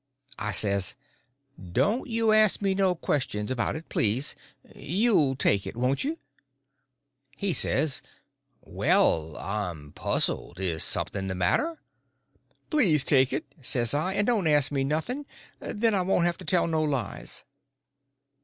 I says, "Don't you ask me no questions about it, please. You'll take it—won't you?" He says: "Well, I'm puzzled. Is something the matter?" "Please take it," says I, "and don't ask me nothing—then I won't have to tell no lies."